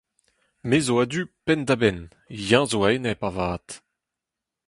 Me zo a-du penn-da-benn, eñ zo a-enep avat.